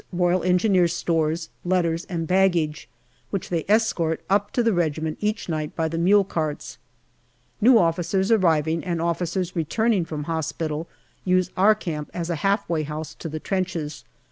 E. stores, letters, and baggage, which they escort up to the regiment each night by the mule carts. New officers arriving and officers returning from hospital use our camp as a half way house to the trenches.